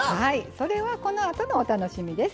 それはこのあとのお楽しみです。